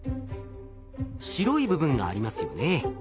白い部分がありますよね。